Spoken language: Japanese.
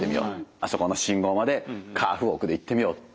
あそこの信号までカーフウォークで行ってみよう。